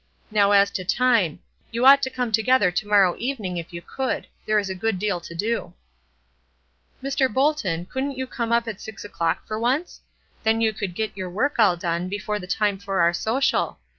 "Now as to time; you ought to come together to morrow evening if you could; there is a good deal to do." "Mr. Bolton, couldn't you come up at six o'clock for once? Then you could get your work all done before the time for our social.